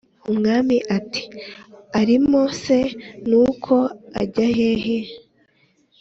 umwami ati"arimo se nuko ajyahehe?"